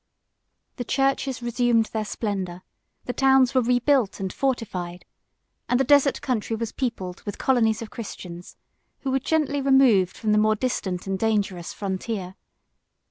The churches resumed their splendor: the towns were rebuilt and fortified; and the desert country was peopled with colonies of Christians, who were gently removed from the more distant and dangerous frontier.